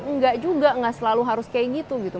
enggak juga gak selalu harus kayak gitu